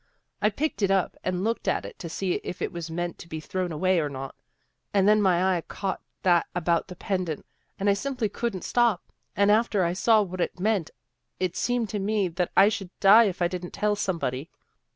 I picked it up and looked at it to see if it was meant to be thrown away or not, and then my eye caught that about the pendant, and I simply couldn't stop. And after I saw what it meant it seemed to me that I should die if I didn't tell somebody."